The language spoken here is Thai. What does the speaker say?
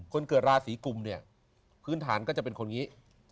คนเกิดราศีกุมเนี่ยพื้นฐานก็จะเป็นคนนี้